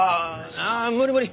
ああ無理無理。